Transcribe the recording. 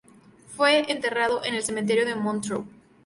Fue enterrado en el Cementerio de Montrouge.